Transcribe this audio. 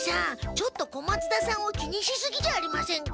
ちょっと小松田さんを気にしすぎじゃありませんか？